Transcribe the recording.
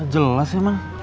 jelas ya man